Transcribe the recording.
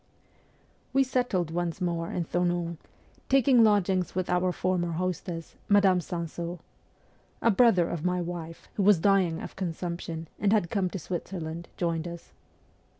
XI WE settled once more in Thonon, taking lodgings with our former hostess, Madame Sansaux. A brother of my wife, who was dying of consumption, and had come to Switzerland, joined us.